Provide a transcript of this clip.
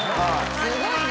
すごいね。